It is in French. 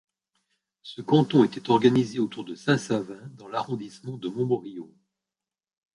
Ce canton était organisé autour de Saint-Savin dans l'arrondissement de Montmorillon.